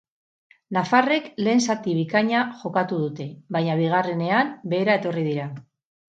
Nafarrek lehen zati bikaina jokatu dute, baina bigarrenean behera etorri dira.